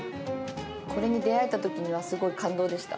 これに出会えたときには、すごい感動でした。